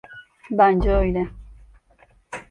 Bence öyle.